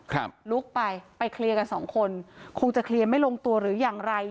ครับลุกไปไปเคลียร์กันสองคนคงจะเคลียร์ไม่ลงตัวหรืออย่างไร